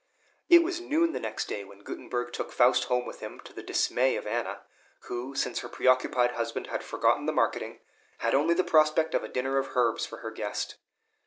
It was noon the next day when Gutenberg took Faust home with him, to the dismay of Anna, who, since her preoccupied husband had forgotten the marketing, had only the prospect of a dinner of herbs for her guest.